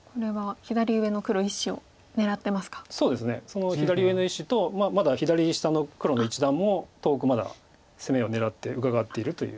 その左上の１子とまだ左下の黒の一団も遠くまだ攻めを狙ってうかがっているという。